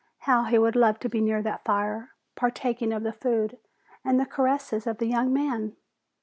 How he would love to be near that fire, partaking of the food and the caresses of the young man!